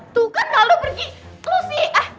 tuh kan kak aldo pergi lo sih